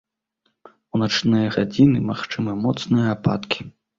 У начныя гадзіны магчымы моцныя ападкі.